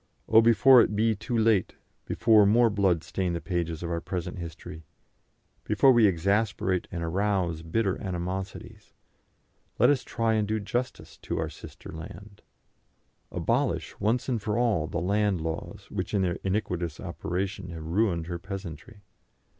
Oh, before it be too late, before more blood stain the pages of our present history, before we exasperate and arouse bitter animosities, let us try and do justice to our sister land. Abolish once and for all the land laws, which in their iniquitous operation have ruined her peasantry.